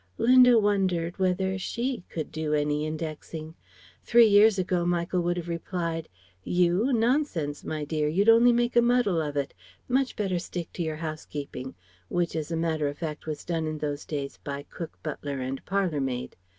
Linda wondered whether she could do any indexing? Three years ago Michael would have replied: "You? Nonsense, my dear. You'd only make a muddle of it. Much better stick to your housekeeping" (which as a matter of fact was done in those days by cook, butler and parlour maid).